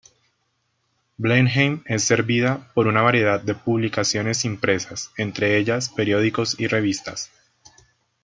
Blenheim es servida por una variedad de publicaciones impresas, entre ellas periódicos y revistas.